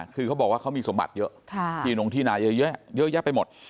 คือเขาบอกว่าเขามีสมบัติเยอะที่นงที่นายเยอะแยะไปหมด